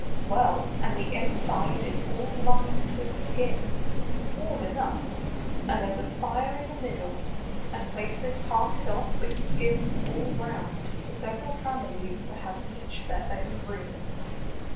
Well, and the inside is all lined with skins, warm enough; and there's a fire in the middle, and places parted oft' with skins all round, for several families to have each their own room.